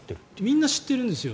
みんな知ってるんですよ。